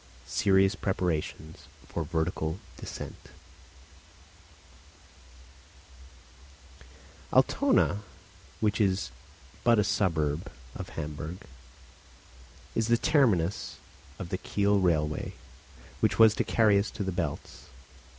SERIOUS PREPARATIONS FOR VERTICAL DESCENT Altona, which is but a suburb of Hamburg, is the terminus of the Kiel railway, which was to carry us to the Belts.